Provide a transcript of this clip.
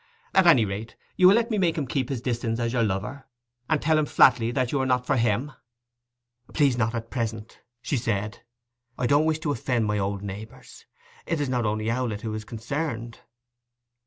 'At any rate, you will let me make him keep his distance as your lover, and tell him flatly that you are not for him?' 'Please not, at present,' she said. 'I don't wish to offend my old neighbours. It is not only Owlett who is concerned.